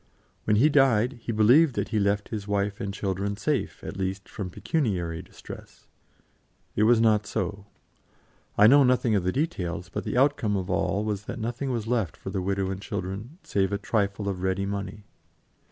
When he died, he believed that he left his wife and children safe, at least, from pecuniary distress. It was not so. I know nothing of the details, but the outcome of all was that nothing was left for the widow and children, save a trifle of ready money.